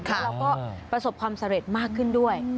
แล้วเราก็ประสบความสำเร็จมากขึ้นด้วย